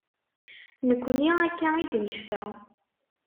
Nekni akka i d-necfa.